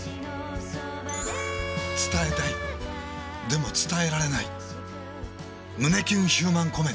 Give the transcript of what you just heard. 伝えたいでも伝えられない胸キュンヒューマンコメディ。